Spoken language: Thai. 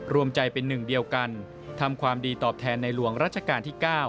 รวมใจเป็นหนึ่งเดียวกันทำความดีตอบแทนในหลวงรัชกาลที่๙